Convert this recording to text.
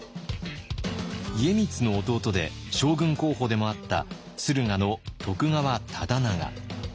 家光の弟で将軍候補でもあった駿河の徳川忠長。